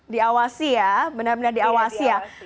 diawasi ya benar benar diawasi ya